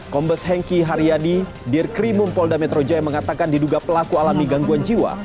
kombes henki haryani dir krimumpolda metro jaya mengatakan diduga pelaku alami gangguan jiwa